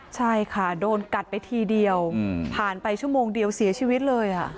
ใช่ค่ะโดนกัดไปทีเดียวผ่านไปชั่วโมงเดียวเสียชีวิตเลย